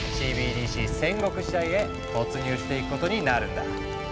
戦国時代へ突入していくことになるんだ。